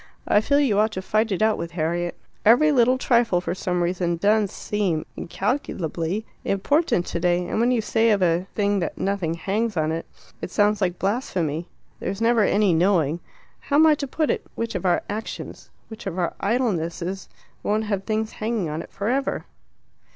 I feel you ought to fight it out with Harriet. Every little trifle, for some reason, does seem incalculably important today, and when you say of a thing that 'nothing hangs on it,' it sounds like blasphemy. There's never any knowing (how am I to put it?) which of our actions, which of our idlenesses won't have things hanging on it for ever."